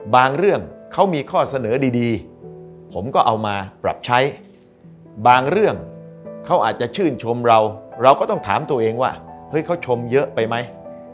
บางเรื่องเขามีข้อเสนอดีผมก็เอามาปรับใช้บางเรื่องเขาอาจจะชื่นชมเราเราก็ต้องถามตัวเองว่าเฮ้ยเขาชมเยอะไปไหม